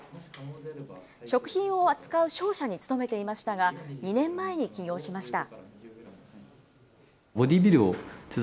食品を扱う商社に勤めていましたが、２年前に起業しました。